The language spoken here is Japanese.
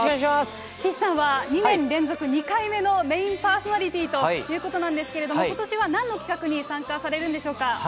岸さんは、２年連続２回目のメインパーソナリティーということなんですけれども、ことしはなんの企画に参加されるんでしょうか。